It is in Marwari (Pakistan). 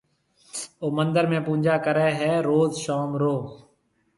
او مندر ۾ پُجا ڪريَ هيَ روز شوم رو۔